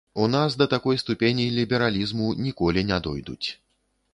У нас да такой ступені лібералізму ніколі не дойдуць.